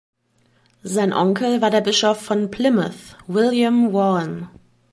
Sein Onkel war der Bischof von Plymouth William Vaughan.